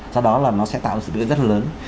do đó là nó sẽ tạo ra sự đưa rất là lớn